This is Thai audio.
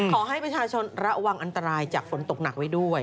ขอให้ประชาชนระวังอันตรายจากฝนตกหนักไว้ด้วย